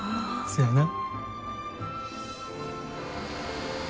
そやな。